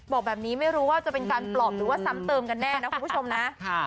บอกแบบนี้ไม่รู้ว่าจะเป็นการปลอบหรือว่าซ้ำเติมกันแน่นะคุณผู้ชมนะ